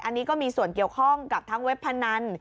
อันนี้ก็มีส่วนเกี่ยวข้องกับทั้งเว็บพนัน